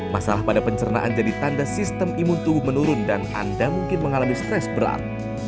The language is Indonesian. masalah pada pencernaan jadi tanda sistem imun tubuh menurun dan anda mungkin mengalami stres berat